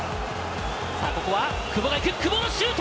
さあ、ここは久保が行く、久保のシュート。